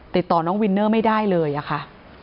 ติดต่อน้องวินเนอร์ไม่ได้เลยอะค่ะ